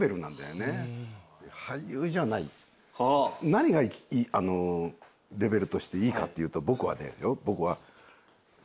何がレベルとしていいかっていうと僕は。